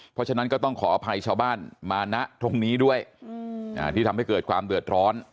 เพราะฉะนั้นก็ต้องขออภัยชาวบ้านมานะตรงนี้ด้วยที่ทำให้เกิดความเดือดร้อน